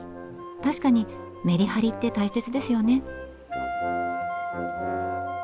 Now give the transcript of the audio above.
確かにメリハリって大切ですよね。